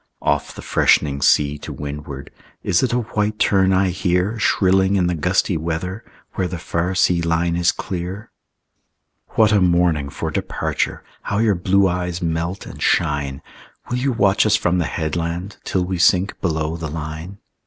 Off the freshening sea to windward, Is it a white tern I hear Shrilling in the gusty weather Where the far sea line is clear? What a morning for departure! How your blue eyes melt and shine! Will you watch us from the headland Till we sink below the line?